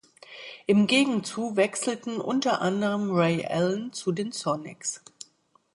Im Gegenzug wechselten unter anderem Ray Allen zu den Sonics.